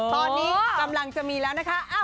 ตอนนี้กำลังจะมีแล้วนะคะ